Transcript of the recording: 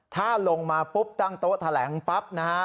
ถ้าลงมาปุ๊บตั้งโต๊ะแถลงปั๊บนะฮะ